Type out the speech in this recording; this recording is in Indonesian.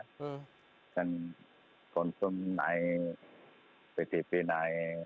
a indiciterang juga agzo timbe extensive supaya anda jakin lahir ke dalam di jawa timur